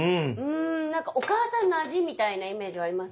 なんかお母さんの味みたいなイメージはありますね。